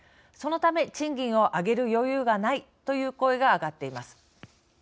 そのため賃金を上げる余裕がないという声が上がっています。